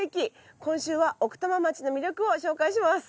今週は奥多摩町の魅力を紹介します。